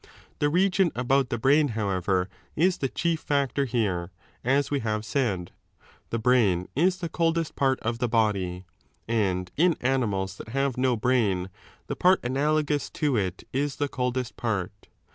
The region about the brain, however, is the chief factor here, as we have said. The brain is the coldest part of the body, and in animals that have no brain 35 the part analc^ous to it is the coldest part.